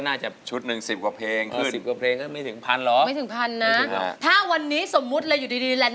น่าจะร้องไม่ได้ครับ